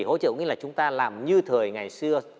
hỗ trợ có nghĩa là chúng ta làm như thời ngày xưa